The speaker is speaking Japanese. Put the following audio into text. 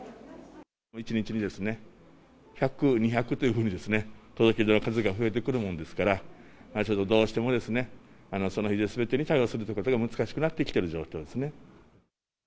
１日に１００、２００というふうに、届け出の数が増えてくるもんですから、ちょっとどうしてもですね、そのすべてに対応するということが難しくなってきている状況です